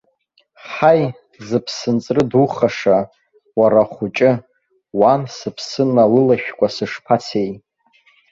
Ҳаи, зыԥсынҵры духаша, уара ахәыҷы, уан сыԥсы налылашәкәа сышԥацеи.